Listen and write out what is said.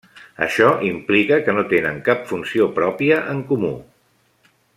Això implica que no tenen cap funció pròpia en comú.